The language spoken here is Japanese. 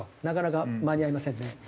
なかなか間に合いませんね。